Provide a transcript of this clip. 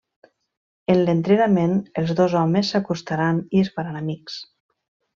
En l’entrenament, els dos homes s'acostaran i es faran amics.